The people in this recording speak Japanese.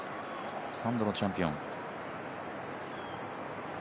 ３度のチャンピオン。